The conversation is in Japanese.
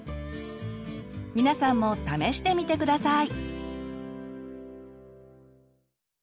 皆さんも試してみて下さい！